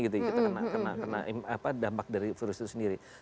jadi kita kena dampak dari virus itu sendiri